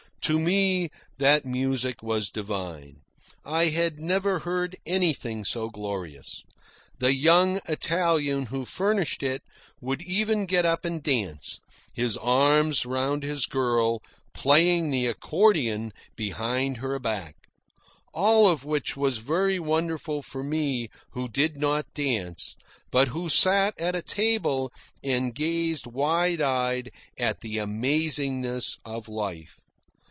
To me that music was divine. I had never heard anything so glorious. The young Italian who furnished it would even get up and dance, his arms around his girl, playing the accordion behind her back. All of which was very wonderful for me, who did not dance, but who sat at a table and gazed wide eyed at the amazingness of life.